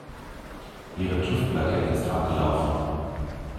Ihre TÜV-Plakette ist abgelaufen.